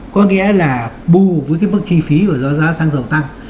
có nghĩa là bùm với cái mức chi phí và giá sang dầu tăng